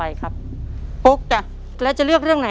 เร็วเร็วเร็วเร็ว